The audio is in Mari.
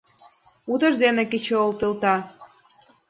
Утыждене кечыйол пелта.